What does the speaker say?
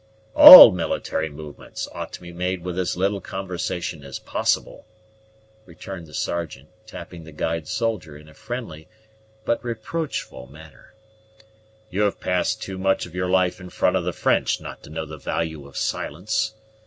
"All military movements ought to be made with as little conversation as possible," returned the Sergeant, tapping the guide's shoulder in a friendly, but reproachful manner. "You have passed too much of your life in front of the French not to know the value of silence.